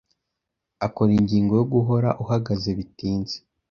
Akora ingingo yo guhora uhageze bitinze.